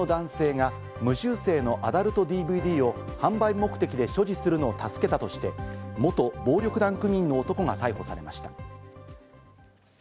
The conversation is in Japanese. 知人の男性が無修正のアダルトＤＶＤを販売目的で所持するのを助けたとして、元暴力団組員の男が逮捕されました。